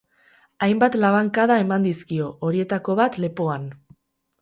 Hainbat labankada eman dizkio, horietako bat lepoan.